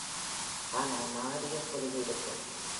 ஆனால், நாகரிகப் பொலிவு இருக்கும்.